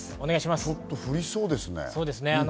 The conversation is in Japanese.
降りそうですね。